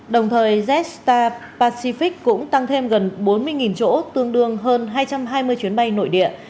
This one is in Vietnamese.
đồng thời jetstar pacific cũng tăng thêm gần bốn mươi chỗ tương đương hơn hai trăm hai mươi chuyến bay nội địa